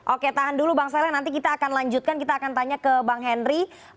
oke tahan dulu bang saleh nanti kita akan lanjutkan kita akan tanya ke bang henry